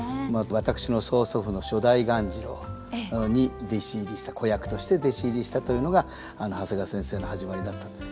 私の曽祖父の初代鴈治郎に弟子入りした子役として弟子入りしたというのが長谷川先生の始まりだったと。